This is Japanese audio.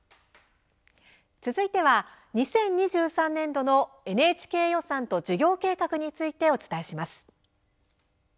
続いては２０２３年度のＮＨＫ予算と事業計画についてお伝えします。